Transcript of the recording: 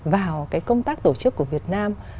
vào cái công tác tổ chức của việt nam